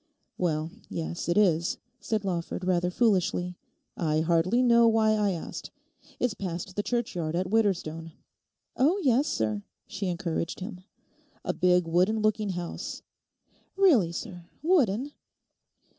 'Well, yes, it is,' said Lawford, rather foolishly; 'I hardly know why I asked. It's past the churchyard at Widderstone.' 'Oh yes, sir,' she encouraged him. 'A big, wooden looking house.' 'Really, sir. Wooden?